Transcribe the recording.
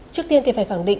trước tiên thì phải khẳng định